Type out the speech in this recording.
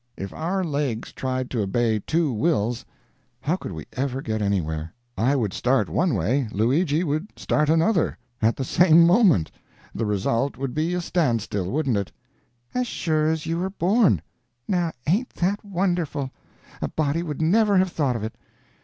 If our legs tried to obey two wills, how could we ever get anywhere? I would start one way, Luigi would start another, at the same moment the result would be a standstill, wouldn't it?" "As sure as you are born! Now ain't that wonderful! A body would never have thought of it."